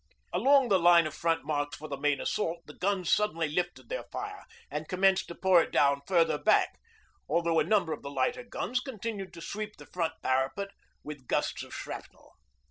Along the line of front marked for the main assault the guns suddenly lifted their fire and commenced to pour it down further back, although a number of the lighter guns continued to sweep the front parapet with gusts of shrapnel.